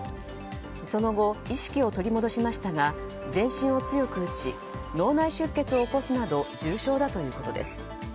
その後、意識を取り戻しましたが全身を強く打ち脳内出血を起こすなど重傷だということです。